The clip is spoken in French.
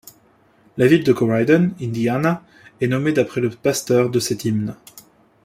La ville de Corydon, Indiana, est nommé d'après le pasteur de cet hymne.